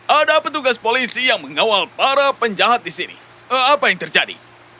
ada petugas polisi yang mengawal para penjahat di sini apa yang terjadi